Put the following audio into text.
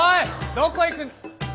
どこ行く。